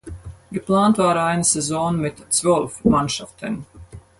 Geplant war eine Saison mit zwölf Mannschaften.